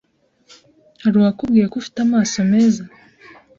Hari uwakubwiye ko ufite amaso meza?